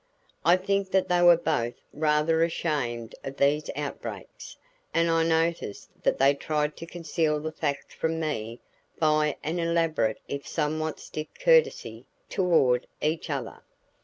I think that they were both rather ashamed of these outbreaks, and I noticed that they tried to conceal the fact from me by an elaborate if somewhat stiff courtesy toward each other.